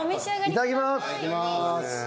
いただきます！